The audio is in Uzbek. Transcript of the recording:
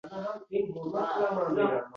Asli varaja